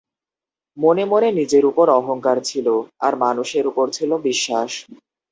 মনে মনে নিজের উপর অহংকার ছিল, আর মানুষের উপর ছিল বিশ্বাস।